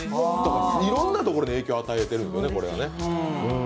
いろんなところに影響を与えてるんですね、これね。